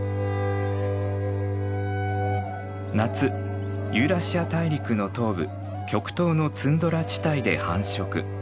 夏ユーラシア大陸の東部極東のツンドラ地帯で繁殖。